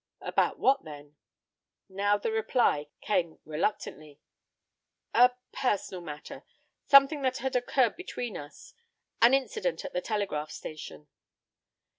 "About what, then?" Now the reply came reluctantly: "A personal matter something that had occurred between us an incident at the telegraph station."